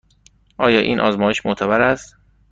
آیا این آزمایش معتبر است؟